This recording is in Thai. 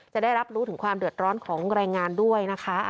จะได้รับรู้ถึงความเดือดร้อนของแรงงานด้วยนะคะ